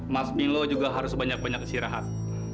mas bilo juga harus banyak banyak istirahat